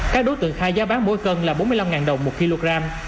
các đối tượng khai giá bán mỗi cân là bốn mươi năm đồng một kg